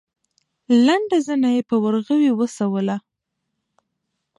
لنډه زنه يې په ورغوي وسولوله.